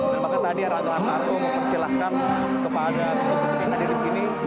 dan bahkan tadi arlaga hartarto mempersilahkan kepada ketum ketum yang hadir di sini